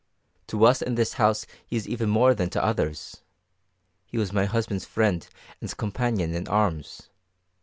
To us in this house he is even more than to others. He was my husband's friend and companion in arms.